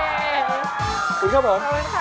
เอ๊ยคุณครับผมโอ้โฮ